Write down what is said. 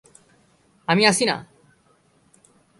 আমি আছি না!